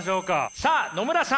さあ野村さん。